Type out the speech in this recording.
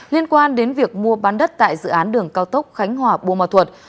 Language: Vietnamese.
liên quan đến việc mua bán đất tại dự án đường cao tốc khánh hòa bùa mà thuật